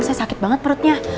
saya sakit banget perutnya